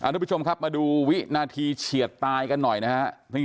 ทุกผู้ชมครับมาดูวินาทีเฉียดตายกันหน่อยนะครับ